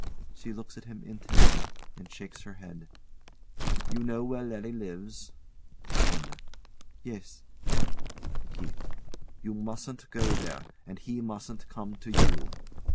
[She looks at him intently, and shakes her, head.] You know where Larry lives? WANDA. Yes. KEITH. You mustn't go there, and he mustn't come to you.